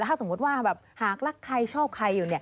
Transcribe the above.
ถ้าสมมุติว่าแบบหากรักใครชอบใครอยู่